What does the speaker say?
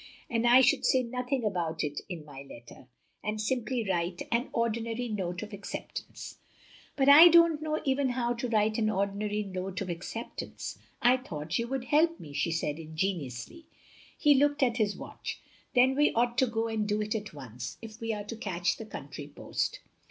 And I should say nothing about it in my letter; and simply write an ordinary note of acceptance." " But I don't know even how to write an ordin ary note of acceptance. I thought you would hdp me," she said ingenuously. He looked at his watch. "Then we ought to go and do it at once, if we are to catch the country post.